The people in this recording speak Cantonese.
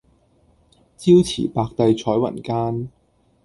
朝辭白帝彩雲間